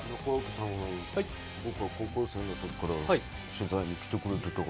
僕は高校生のときから取材に来てくれてっから。